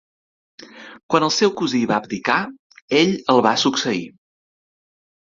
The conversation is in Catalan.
Quan el seu cosí va abdicar, ell el va succeir.